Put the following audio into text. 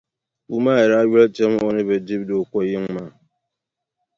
Puumaaya daa yoli tɛm o ni bi di Dooko yiŋa maa.